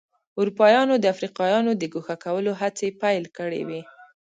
اروپایانو د افریقایانو د ګوښه کولو هڅې پیل کړې وې.